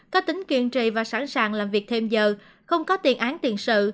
có tính kiên trì và sẵn sàng làm việc thêm giờ không có tiền án tiền sự